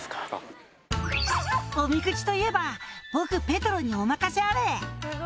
「おみくじといえば僕ペトロにお任せあれ！」